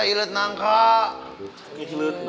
terima kasih mbak edyo